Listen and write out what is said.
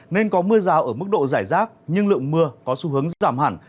nên có mưa rào ở mức độ giải rác nhưng lượng mưa có xu hướng giảm hẳn